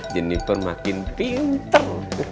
jeniper makin pinter